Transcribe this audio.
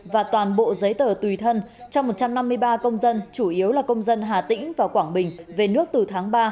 và toàn bộ giấy tờ tùy thân trong một trăm năm mươi ba công dân chủ yếu là công dân hà tĩnh và quảng bình về nước từ tháng ba